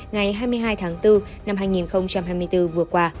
ngày hai mươi hai tháng bốn năm hai nghìn hai mươi bốn vừa qua